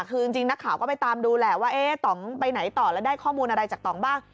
คือจริงนักข่าวก็ไปตามดูแหละว่าต่องไปไหนต่อแล้วได้ข้อมูลอะไรจากต่องบ้าง